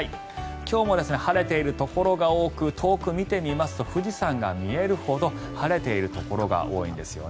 今日も晴れているところが多く遠く見てみますと富士山が見えるほど晴れているところが多いんですよね。